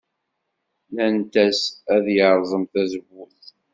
Nnant-as ad yerẓem tazewwut.